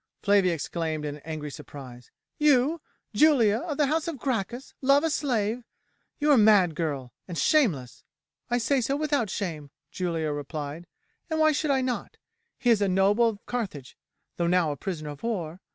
Flavia exclaimed in angry surprise; "you, Julia, of the house of Gracchus, love a slave! You are mad, girl, and shameless." "I say so without shame," Julia replied, "and why should I not? He is a noble of Carthage, though now a prisoner of war.